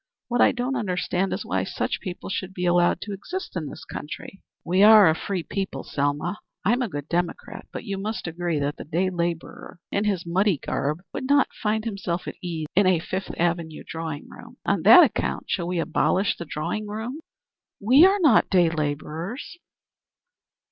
What I don't understand is why such people should be allowed to exist in this country." "We're a free people, Selma. I'm a good democrat, but you must agree that the day laborer in his muddy garb would not find himself at ease in a Fifth Avenue drawing room. On that account shall we abolish the drawing room?" "We are not day laborers."